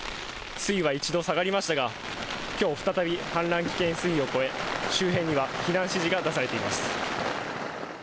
水位は一度下がりましたが、きょう再び、氾濫危険水位を超え、周辺には避難指示が出されています。